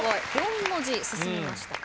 ４文字進みました。